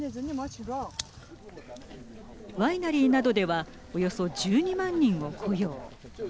ワイナリーなどではおよそ１２万人を雇用。